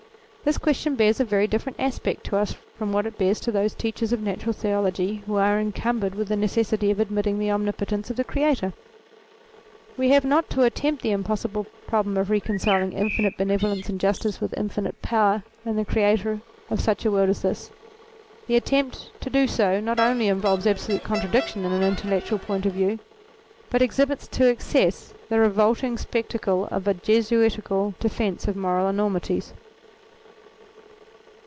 This question bears a very different aspect to us from what it bears to those teachers of Natural Theology who are incumbered with the necessity of admitting the omnipotence of the Creator. We have not to attempt the impossible problem of reconciling infinite benevolence and justice with infinite power in ATTRIBUTES 187 the Creator of such a world as this. The attempt to do so not only involves absolute contradiction in an intellectual point of view but exhibits to excess the revolting spectacle of a Jesuitical defence of moral enormities.